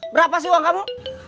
berapa sih uang kamu